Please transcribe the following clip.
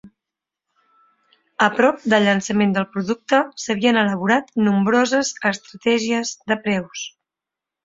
A prop del llançament del producte, s'havien elaborat nombroses estratègies de preus.